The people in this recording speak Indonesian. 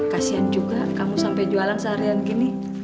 kasian juga kamu sampai jualan seharian gini